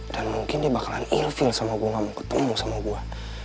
dan mungkin dia bakalan ilfil sama gue gak mau ketemu sama gue